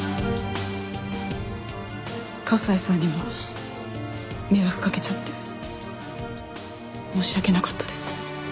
加西さんには迷惑かけちゃって申し訳なかったです。